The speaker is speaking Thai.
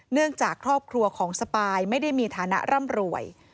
เนื่องจากครอบครัวของสปายไม่ได้มีฐานะร่ำรวย